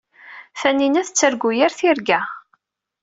Tanina tettargu yir tirga.